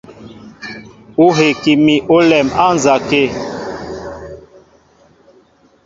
Ó heki mi ólɛm á nzɔkə̂.